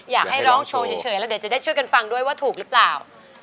อยากให้ร้องโชว์เฉยแล้วเดี๋ยวจะได้ช่วยกันฟังด้วยว่าถูกหรือเปล่า